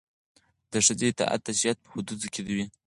د ښځې اطاعت د شریعت په حدودو کې وي.